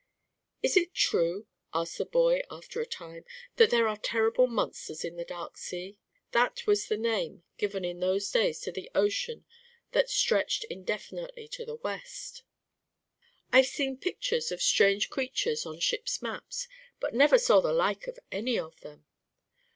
"Is it true," asked the boy after a time, "that there are terrible monsters in the Dark Sea?" That was the name given in those days to the ocean that stretched indefinitely to the west. "I've seen pictures of strange creatures on ships' maps, but never saw the like of any of them."